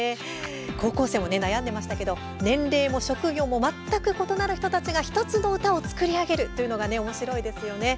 高校生も悩んでいましたけど年齢も職業も全く異なる人たちが１つの歌を作り上げるというのがおもしろいですよね。